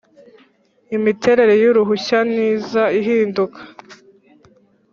imiterere y’ uruhushya ntiza ihinduka